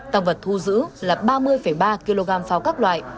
tăng vật thu giữ là ba mươi ba kg pháo các loại